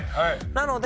なので。